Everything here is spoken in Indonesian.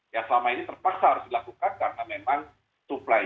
yang selama ini terpaksa harus dilakukan karena memang supply